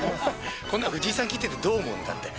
こんなの藤井さん聞いてて、どう思うんだって。